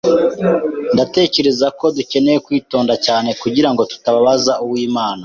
Ndatekereza ko dukeneye kwitonda cyane kugirango tutababaza Uwimana.